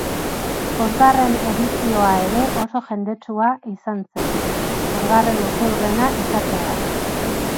Bosgarren edizioa ere oso jendetsua izan zen, bosgarren urteurrena izateagatik.